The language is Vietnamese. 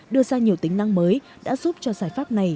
đưa ra nhiều tính năng mới đã giúp cho giải pháp này